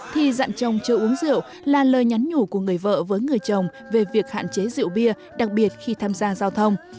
thì dặn chồng chưa uống rượu là lời nhắn nhủ của người vợ với người chồng về việc hạn chế rượu bia đặc biệt khi tham gia giao thông